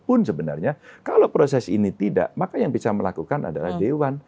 pun sebenarnya kalau proses ini tidak maka yang bisa melakukan adalah dewan